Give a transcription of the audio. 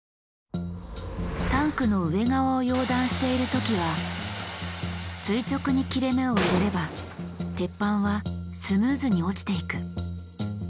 タンクの上側を溶断している時は垂直に切れ目を入れれば鉄板はスムーズに落ちていく。